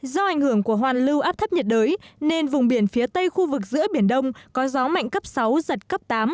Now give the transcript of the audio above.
do ảnh hưởng của hoàn lưu áp thấp nhiệt đới nên vùng biển phía tây khu vực giữa biển đông có gió mạnh cấp sáu giật cấp tám